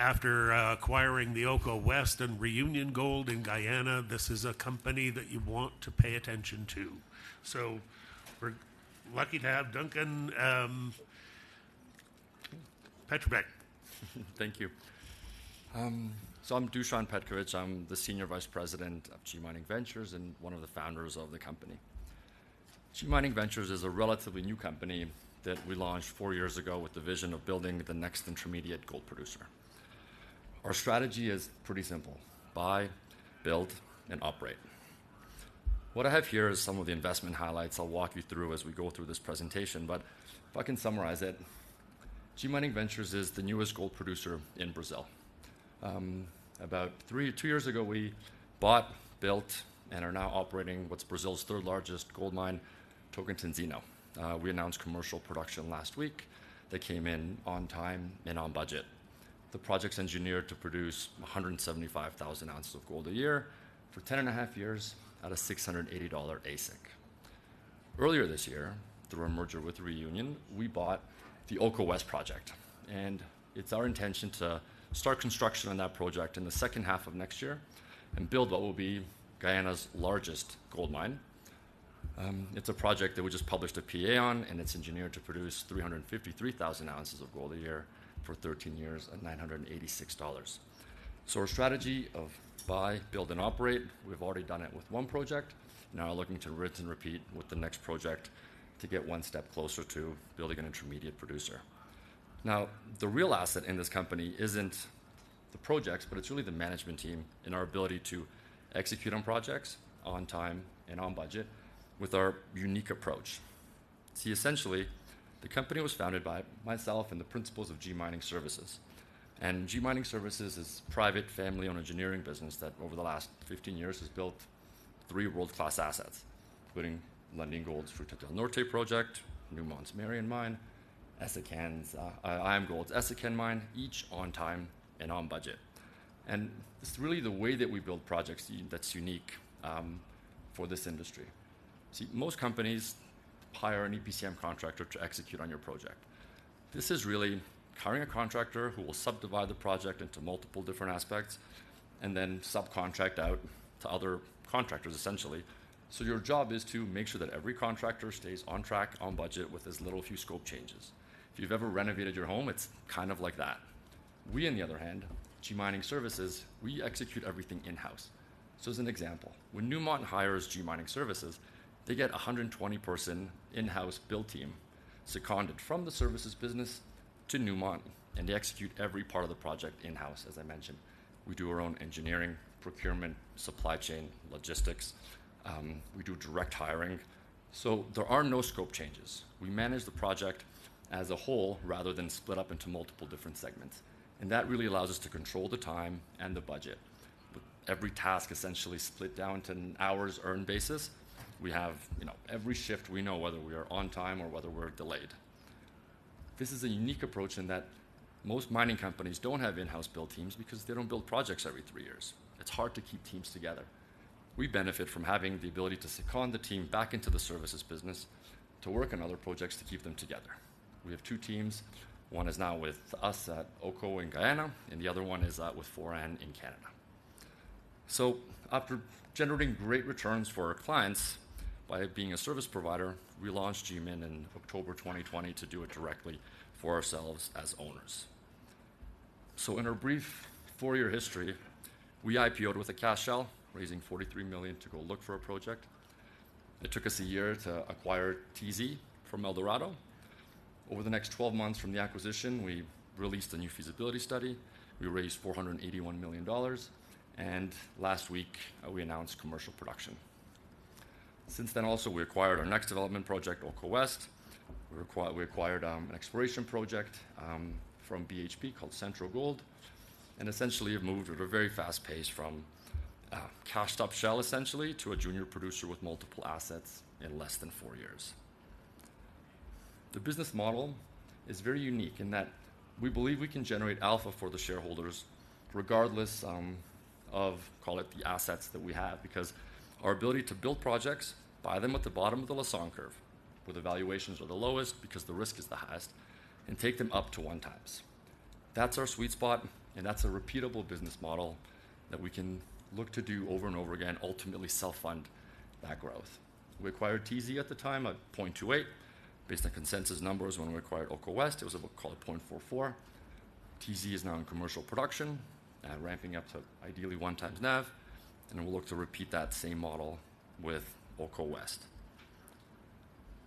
After acquiring the Oko West and Reunion Gold in Guyana, this is a company that you want to pay attention to. So we're lucky to have Dušan Petković. Thank you. So I'm Dušan Petković. I'm the Senior Vice President of G Mining Ventures, and one of the founders of the company. G Mining Ventures is a relatively new company that we launched four years ago with the vision of building the next intermediate gold producer. Our strategy is pretty simple: buy, build, and operate. What I have here is some of the investment highlights I'll walk you through as we go through this presentation, but if I can summarize it. G Mining Ventures is the newest gold producer in Brazil. About two years ago, we bought, built, and are now operating what's Brazil's third-largest gold mine, Tocantinzinho. We announced commercial production last week that came in on time and on budget. The project's engineered to produce 175,000 ounces of gold a year for ten and a half years at a $680 AISC. Earlier this year, through a merger with Reunion Gold, we bought the Oko West project, and it's our intention to start construction on that project in the second half of next year and build what will be Guyana's largest gold mine. It's a project that we just published a PEA on, and it's engineered to produce 353,000 ounces of gold a year for 13 years at $986. Our strategy of buy, build, and operate, we've already done it with one project. Now we're looking to rinse and repeat with the next project to get one step closer to building an intermediate producer. Now, the real asset in this company isn't the projects, but it's really the management team and our ability to execute on projects on time and on budget with our unique approach. See, essentially, the company was founded by myself and the principals of G Mining Services. G Mining Services is a private, family-owned engineering business that, over the last 15 years, has built 3 world-class assets, including Lundin Gold's Fruta del Norte project, Newmont's Merian Mine, IAMGOLD's Essakane Mine, each on time and on budget. It's really the way that we build projects that's unique for this industry. See, most companies hire an EPCM contractor to execute on your project. This is really hiring a contractor who will subdivide the project into multiple different aspects and then subcontract out to other contractors, essentially. Your job is to make sure that every contractor stays on track, on budget, with as little few scope changes. If you've ever renovated your home, it's kind of like that. We, on the other hand, G Mining Services, we execute everything in-house. As an example, when Newmont hires G Mining Services, they get a 120-person in-house build team, seconded from the services business to Newmont, and they execute every part of the project in-house, as I mentioned. We do our own engineering, procurement, supply chain, logistics. We do direct hiring, so there are no scope changes. We manage the project as a whole rather than split up into multiple different segments, and that really allows us to control the time and the budget. With every task essentially split down to an hours-earned basis, we have, you know, every shift, we know whether we are on time or whether we're delayed. This is a unique approach in that most mining companies don't have in-house build teams because they don't build projects every three years. It's hard to keep teams together. We benefit from having the ability to second the team back into the services business to work on other projects to keep them together. We have two teams. One is now with us at Oko in Guyana, and the other one is with Foran in Canada. So after generating great returns for our clients by being a service provider, we laun`ched GM in October 2020 to do it directly for ourselves as owners. So in our brief 4-year history, we IPO'd with a cash shell, raising $43 million to go look for a project. It took us a year to acquire TZ from Eldorado. Over the next 12 months from the acquisition, we released a new feasibility study. We raised $481 million dollars, and last week, we announced commercial production. Since then, also, we acquired our next development project, Oko West. We acquired an exploration project from BHP called CentroGold, and essentially have moved at a very fast pace from a cashed-up shell, essentially, to a junior producer with multiple assets in less than 4 years. The business model is very unique in that we believe we can generate alpha for the shareholders regardless of, call it, the assets that we have, because our ability to build projects, buy them at the bottom of the Lassonde curve, where the valuations are the lowest because the risk is the highest, and take them up to one times. That's our sweet spot, and that's a repeatable business model that we can look to do over and over again, ultimately self-fund that growth. We acquired TZ at the time at 0.28. Based on consensus numbers, when we acquired Oko West, it was about, call it 0.44. TZ is now in commercial production, ramping up to ideally one times NAV, and we'll look to repeat that same model with Oko West.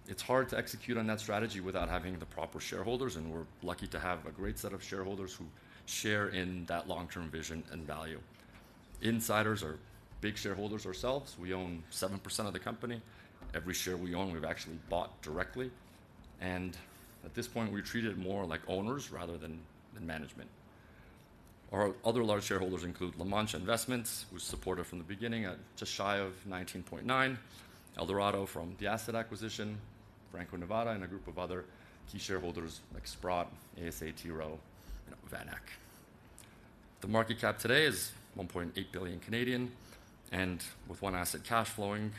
It's hard to execute on that strategy without having the proper shareholders, and we're lucky to have a great set of shareholders who share in that long-term vision and value. Insiders are big shareholders ourselves. We own 7% of the company. Every share we own, we've actually bought directly, and at this point, we're treated more like owners rather than management. Our other large shareholders include La Mancha Investments, who supported from the beginning at just shy of 19.9%; Eldorado from the asset acquisition; Franco-Nevada, and a group of other key shareholders like Sprott, ASA, T. Rowe, and VanEck. The market cap today is 1.8 billion, and with one asset cash flowing,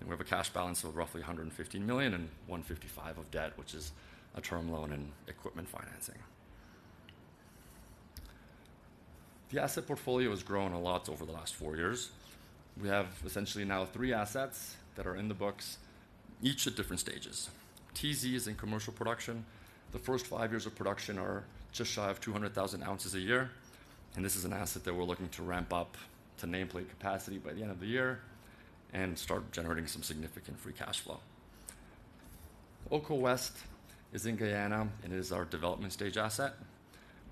and we have a cash balance of roughly 115 million and 155 million of debt, which is a term loan and equipment financing. The asset portfolio has grown a lot over the last four years. We have essentially now three assets that are in the books, each at different stages. TZ is in commercial production. The first five years of production are just shy of 200,000 ounces a year, and this is an asset that we're looking to ramp up to nameplate capacity by the end of the year and start generating some significant free cash flow. Oko West is in Guyana and is our development stage asset.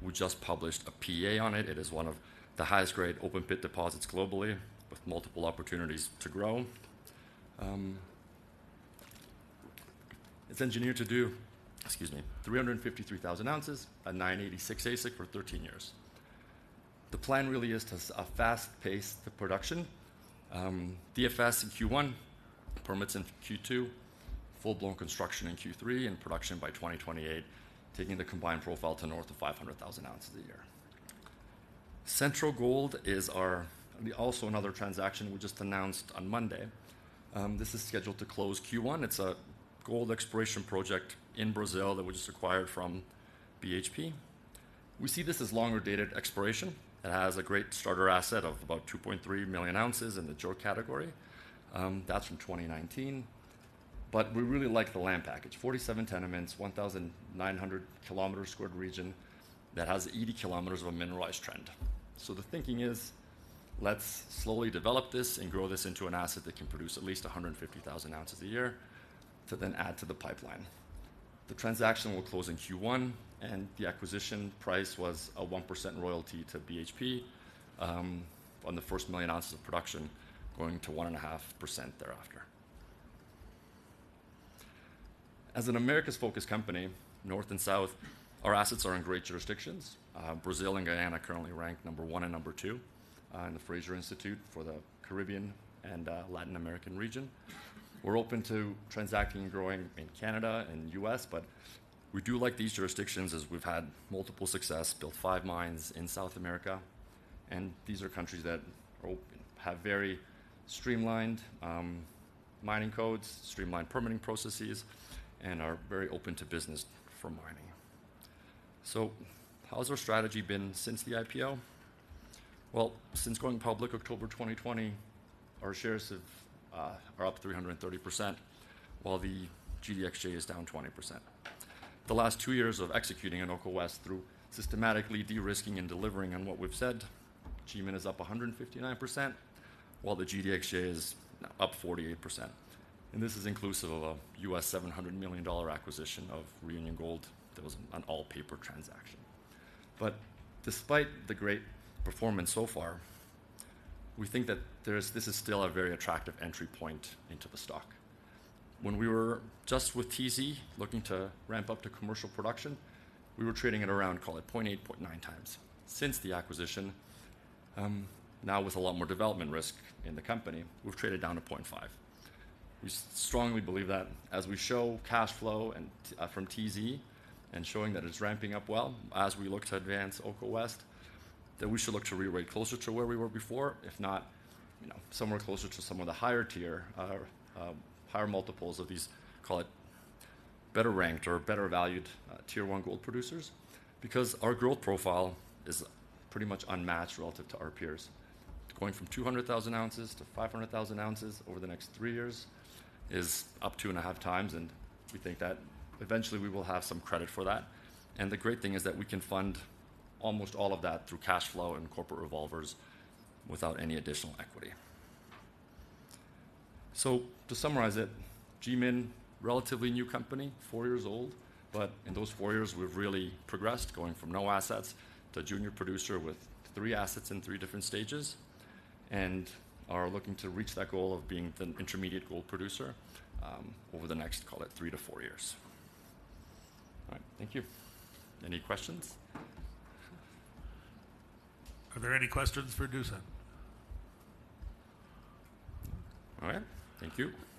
We just published a PEA on it. It is one of the highest grade open pit deposits globally, with multiple opportunities to grow. It's engineered to do 353,000 ounces at $986 AISC for 13 years. The plan really is to set a fast pace to production. DFS in Q1, permits in Q2, full-blown construction in Q3, and production by 2028, taking the combined profile to north of 500,000 ounces a year. CentroGold is our... also another transaction we just announced on Monday. This is scheduled to close Q1. It's a gold exploration project in Brazil that we just acquired from BHP. We see this as longer-dated exploration. It has a great starter asset of about 2.3 million ounces in the JORC category. That's from 2019. But we really like the land package: 47 tenements, 1,900 square kilometer region that has 80 kilometers of a mineralized trend. So the thinking is, let's slowly develop this and grow this into an asset that can produce at least 150,000 ounces a year to then add to the pipeline. The transaction will close in Q1, and the acquisition price was a 1% royalty to BHP on the first 1 million ounces of production, going to 1.5% thereafter. As an Americas-focused company, North and South, our assets are in great jurisdictions. Brazil and Guyana currently ranked number 1 and number 2 in the Fraser Institute for the Caribbean and Latin American region. We're open to transacting and growing in Canada and U.S., but we do like these jurisdictions as we've had multiple success, built five mines in South America, and these are countries that have very streamlined mining codes, streamlined permitting processes, and are very open to business for mining. So how has our strategy been since the IPO? Since going public October 2020, our shares are up 330%, while the GDXJ is down 20%. The last two years of executing in Oko West through systematically de-risking and delivering on what we've said, GMIN is up 159%, while the GDXJ is up 48%. This is inclusive of a $700 million acquisition of Reunion Gold that was an all-paper transaction. Despite the great performance so far, we think that this is still a very attractive entry point into the stock. When we were just with TZ, looking to ramp up to commercial production, we were trading at around, call it, 0.8-0.9 times. Since the acquisition, now with a lot more development risk in the company, we've traded down to 0.5. We strongly believe that as we show cash flow and from TZ and showing that it's ramping up well, as we look to advance Oko West, that we should look to rerate closer to where we were before, if not, you know, somewhere closer to some of the higher tier higher multiples of these, call it, better ranked or better valued tier one gold producers, because our growth profile is pretty much unmatched relative to our peers. Going from 200,000 ounces to 500,000 ounces over the next three years is up two and a half times, and we think that eventually we will have some credit for that. And the great thing is that we can fund almost all of that through cash flow and corporate revolvers without any additional equity. To summarize it, GMIN, relatively new company, four years old, but in those four years, we've really progressed, going from no assets to junior producer with three assets in three different stages, and are looking to reach that goal of being an intermediate gold producer over the next, call it, three to four years. All right. Thank you. Any questions? Are there any questions for Dušan? All right. Thank you. All right.